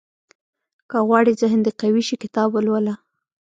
• که غواړې ذهن دې قوي شي، کتاب ولوله.